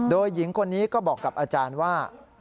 โดยหญิงคนนี้ก็บอกกับอาจารย์ว่า